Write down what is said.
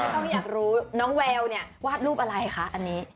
ต้องอยากรู้น้องแววเนี่ยวาดรูปอะไรคะอันนี้